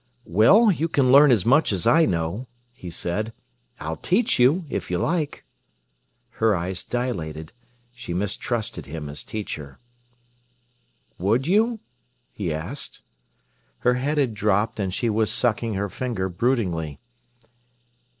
"Well, you can learn as much as I know," he said. "I'll teach you, if you like." Her eyes dilated. She mistrusted him as teacher. "Would you?" he asked. Her head had dropped, and she was sucking her finger broodingly.